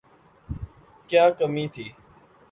کیا کمی تھی۔